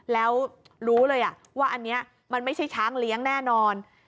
แล้วรู้เลยว่าอันนี้มันไม่ใช่ช้างเลี้ยงแน่นอน